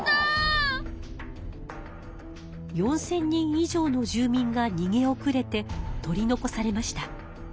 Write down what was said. ４，０００人以上の住民がにげおくれて取り残されました。